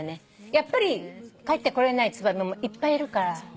やっぱり帰ってこれないツバメもいっぱいいるから。